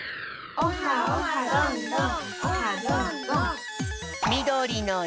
オハオハどんどん！